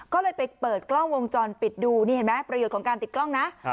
ก็เลยไปเปิดกล้องวงจรปิดดูนี่เห็นไหมประโยชน์ของการติดกล้องนะ